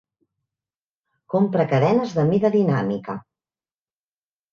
Compre cadenes de mida dinàmica.